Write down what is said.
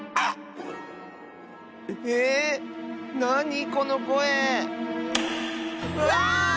なにこのこえ⁉うわあっ！